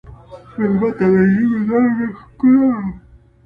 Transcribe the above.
مېلمه ته د ژبې نرمي ښکلا ده.